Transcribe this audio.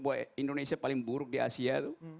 bahwa indonesia paling buruk di asia itu